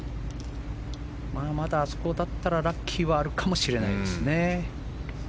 まだ、あそこだったらラッキーはあるかもしれないですね。